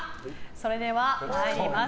それでは参ります。